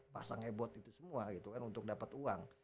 pasang ebot itu semua gitu kan untuk dapat uang